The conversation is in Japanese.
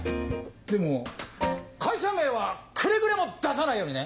でも会社名はくれぐれも出さないようにね！